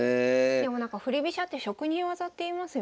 でもなんか振り飛車って職人技っていいますよね？